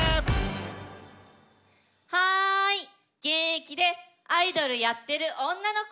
はい現役でアイドルやってる女の子！